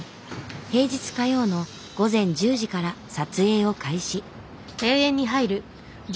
平日火曜の午前１０時から撮影を開始。